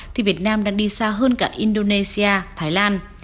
thì việt nam đang đi xa hơn cả indonesia thái lan